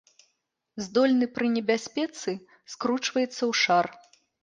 Здольны пры небяспецы скручваецца ў шар.